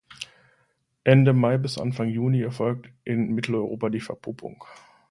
Ende Mai bis Anfang Juni erfolgt in Mitteleuropa die Verpuppung.